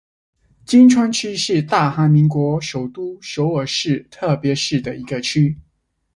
衿川区是大韩民国首都首尔特别市的一个区。